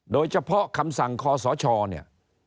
โดยเฉพาะคำสั่งคอสชเนี่ย